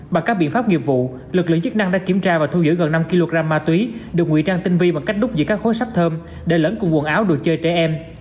bằng các biện pháp nghiệp vụ lực lượng chức năng đã kiểm tra và thu giữ gần năm kg ma túy được ngụy trang tinh vi bằng cách đúc giữa các khối sắt thơm để lẫn cùng quần áo được chơi trẻ em